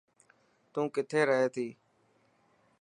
تو ڪٿي رهي ٿي.